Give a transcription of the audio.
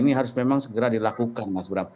ini harus memang segera dilakukan mas brab